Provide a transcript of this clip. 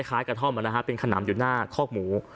กระท่อมเป็นขนำอยู่หน้าคอกหมู